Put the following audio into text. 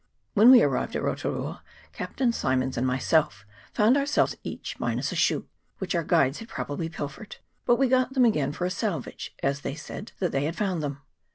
When we arrived at Rotu rua Captain Symonds and myself found ourselves each minus a shoe, which our guides had probably pilfered; but we got them again for a salvage, as they said that they had found them.